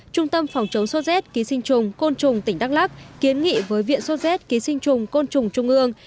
trung tâm phòng chống sốt z ký sinh trùng côn trùng tỉnh đắk lắc kiến nghị với viện sốt z ký sinh trùng côn trùng trung ương